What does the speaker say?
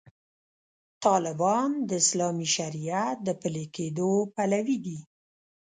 طالبان د اسلامي شریعت د پلي کېدو پلوي دي.